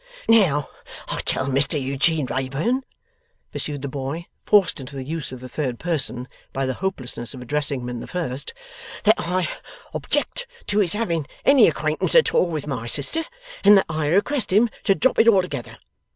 'Now I tell Mr Eugene Wrayburn,' pursued the boy, forced into the use of the third person by the hopelessness of addressing him in the first, 'that I object to his having any acquaintance at all with my sister, and that I request him to drop it altogether.